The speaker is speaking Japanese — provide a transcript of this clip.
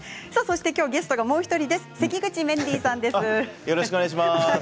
ゲストが、もう１人関口メンディーさんです。